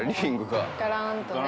がらんとね。